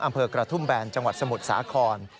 อำเภอกระทุ่มแบนจังหวัดสมุทรสาคร